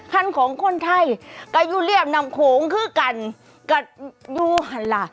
คันของคนไทยกับยูเรียมนำโขงคือกันกับยูหันล่ะ